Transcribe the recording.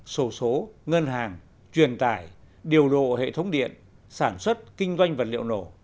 sổ số ngân hàng truyền tải điều độ hệ thống điện sản xuất kinh doanh vật liệu nổ